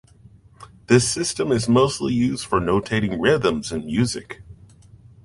This system is mostly used for notating rhythms in music.